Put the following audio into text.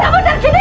kamu dari sini